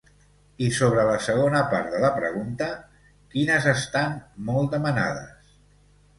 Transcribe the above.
I sobre la segona part de la pregunta: quines estan molt demanades?